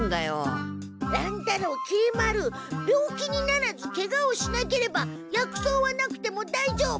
乱太郎きり丸病気にならずけがをしなければ薬草はなくてもだいじょうぶ！